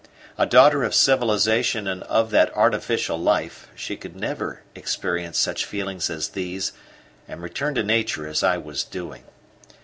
A daughter of civilization and of that artificial life, she could never experience such feelings as these and return to nature as I was doing.